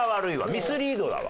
ミスリードだわ。